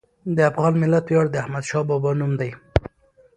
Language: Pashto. د افغان ملت ویاړ د احمدشاه بابا نوم دی.